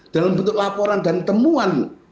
dalam bentuk laporan dan temuan